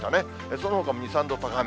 そのほかも２、３度高め。